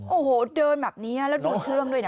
โอ้โหเดินแบบนี้แล้วดูเชื่อมด้วยนะ